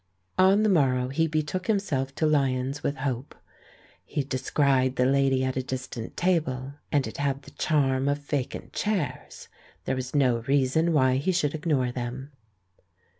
On the morrow he betook himself to Lyons* with hope. He descried the lady at a distant table, and it had the charm of vacant chairs. There was no reason why he should ignore them.